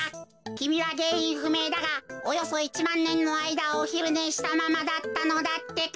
きみはげんいんふめいだがおよそ１まんねんのあいだおひるねしたままだったのだってか。